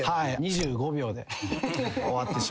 ２５秒で終わってしまって。